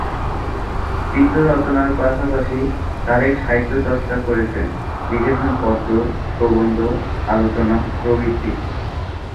চিত্র রচনার পাশাপাশি তারেক সাহিত্যচর্চা করেছেন; লিখেছেন পদ্য, প্রবন্ধ, আলোচনা প্রভৃতি।